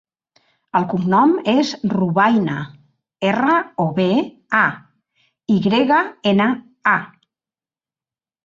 El cognom és Robayna: erra, o, be, a, i grega, ena, a.